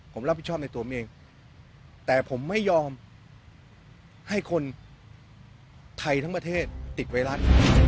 ผมรับผิดชอบในตัวผมเองแต่ผมไม่ยอมให้คนไทยทั้งประเทศติดไวรัส